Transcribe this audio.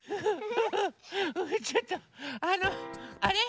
ちょっとあのあれ？